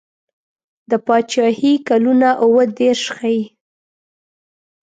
د پاچهي کلونه اووه دېرش ښيي.